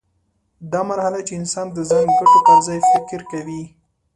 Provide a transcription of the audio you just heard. دا مرحله چې انسان د ځان ګټو پر ځای فکر کوي.